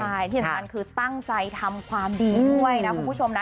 ใช่ที่สำคัญคือตั้งใจทำความดีด้วยนะคุณผู้ชมนะ